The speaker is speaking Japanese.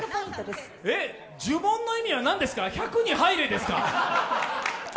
呪文の意味は何ですか、１００に入れ、ですか？